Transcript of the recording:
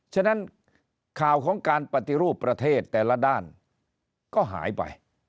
ฉะนั้นข่าวของการปฏิรูปประเทศแต่ละด้านก็หายไป